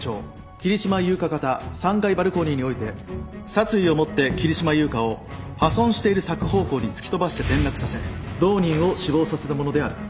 桐島優香方３階バルコニーにおいて殺意を持って桐島優香を破損している柵方向に突き飛ばして転落させ同人を死亡させたものである。